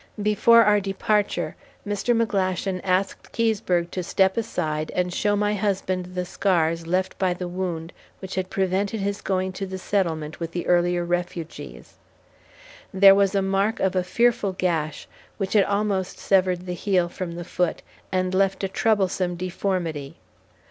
Before our departure, Mr. McGlashan asked Keseberg to step aside and show my husband the scars left by the wound which had prevented his going to the settlement with the earlier refugees. There was a mark of a fearful gash which had almost severed the heel from the foot and left a troublesome deformity.